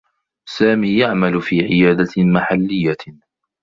سامي يعمل في عيادة محلّيّة.